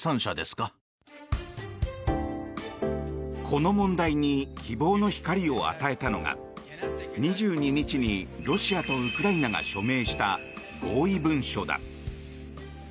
この問題に希望の光を与えたのが２２日にロシアとウクライナが署名した合意文書だ。